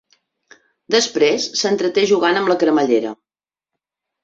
Després s'entreté jugant amb la cremallera.